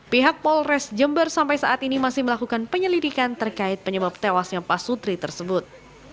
pihak polres jember sampai saat ini masih melakukan penyelidikan terkait penyebab tewasnya pak sutri tersebut